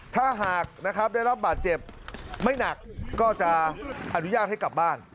ถ้าหากนะครับได้รับบาดเจ็บไม่หนักก็จะอนุญาตให้กลับบ้าน